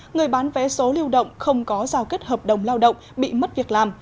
người bán vé số lưu động không có giao kết hợp đồng lao động bị mất việc làm